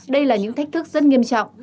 đây là những thách thức rất nghiêm trọng